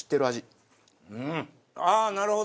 ああなるほど！